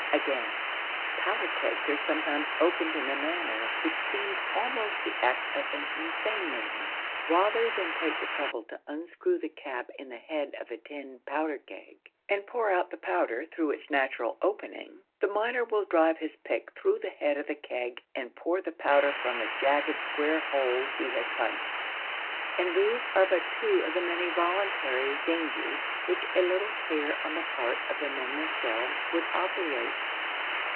Again, powder kegs are sometimes opened in a manner which seems almost the act of an insane man. Rather than take the trouble to unscrew the cap in the head of the tin powder keg and pour out the powder through its natural opening, the miner will drive his pick through the head of the keg and pour the powder from the jagged square hole he has punched. And these are but two of the many voluntary dangers which a little care on the part of the men themselves would obviate.